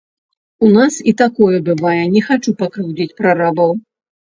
У нас і такое бывае, не хачу пакрыўдзіць прарабаў.